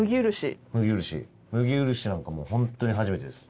麦漆なんかもうほんとに初めてです。